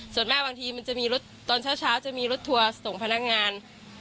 ส่วนมากบางทีมันจะมีรถตอนเช้าจะมีรถทัวร์ส่งพนักงาน